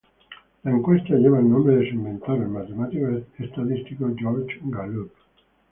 La encuesta lleva el nombre de su inventor, el matemático estadístico George Gallup.